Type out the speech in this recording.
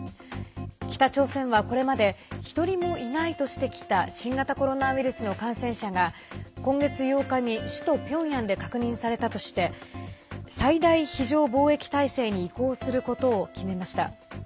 北朝鮮はこれまで１人もいないとしてきた新型コロナウイルスの感染者が今月８日に首都ピョンヤンで確認されたとして最大非常防疫態勢に移行することを決めました。